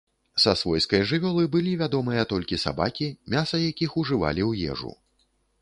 Са свойскай жывёлы былі вядомыя толькі сабакі, мяса якіх ужывалі ў ежу.